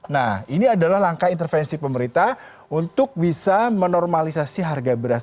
nah ini adalah langkah intervensi pemerintah untuk bisa menormalisasi harga beras